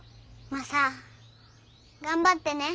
マサ頑張ってね。